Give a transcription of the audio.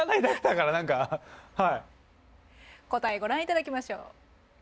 答えご覧いただきましょう。